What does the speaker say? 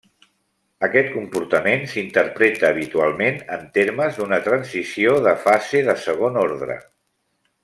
Aquest comportament s'interpreta habitualment en termes d'una transició de fase de segon ordre.